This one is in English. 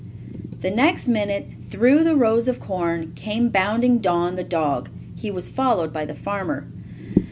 The next minute, through the rows of corn, came bounding Don, the dog. He was followed by the farmer.